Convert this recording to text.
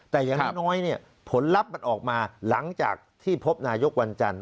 แต่อย่างน้อยเนี่ยผลลัพธ์มันออกมาหลังจากที่พบนายกวันจันทร์